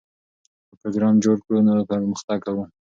که پروګرام جوړ کړو نو پرمختګ کوو.